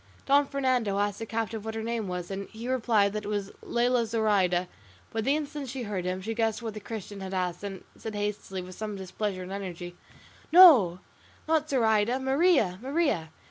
Don Fernando asked the captive what her name was, and he replied that it was Lela Zoraida; but the instant she heard him, she guessed what the Christian had asked, and said hastily, with some displeasure and energy, "No, not Zoraida; Maria, Maria!"